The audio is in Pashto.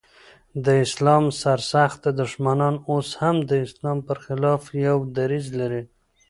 د اسلام سر سخته دښمنان اوس هم د اسلام پر خلاف يو دريځ لري.